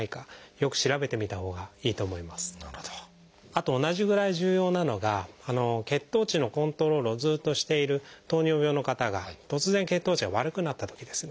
あと同じぐらい重要なのが血糖値のコントロールをずっとしている糖尿病の方が突然血糖値が悪くなったときですね。